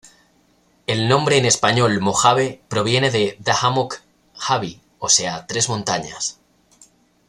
El nombre en español "mojave" proviene de "d'hamok-habi" o sea 'tres montañas'.